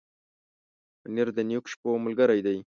پنېر د نېکو شپو ملګری دی.